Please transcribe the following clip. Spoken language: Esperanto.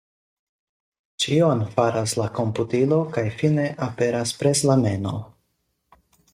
Ĉion faras la komputilo kaj fine aperas preslameno.